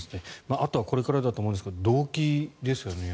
あとはこれからだと思うんですけど動機ですよね。